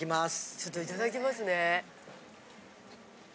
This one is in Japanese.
ちょっといただきますね。